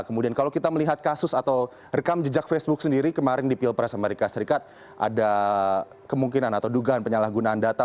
kemudian kalau kita melihat kasus atau rekam jejak facebook sendiri kemarin di pilpres amerika serikat ada kemungkinan atau dugaan penyalahgunaan data